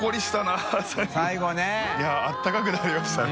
埜紊諭あったかくなりましたね